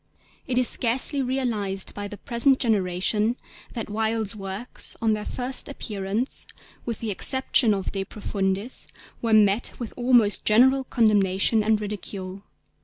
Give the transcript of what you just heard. It is scarcely realised by the present generation that Wilde's works on their first appearance, with the exception of De Profundis, were met with almost general condemnation and ridicule.